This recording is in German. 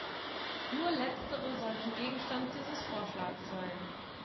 Nur letztere sollten Gegenstand dieses Vorschlags sein.